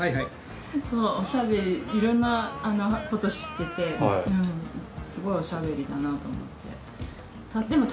そうおしゃべりいろんなこと知っててすごいおしゃべりだなと思って。